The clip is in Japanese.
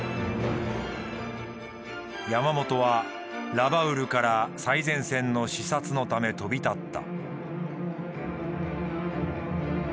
山本はラバウルから最前線の視察のため飛び立った。